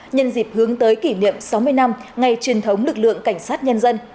nhân dịp hướng tới kỷ niệm sáu mươi năm ngày truyền thống lực lượng cảnh sát nhân dân